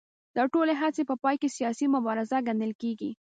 دا ټولې هڅې په پای کې سیاسي مبارزه ګڼل کېږي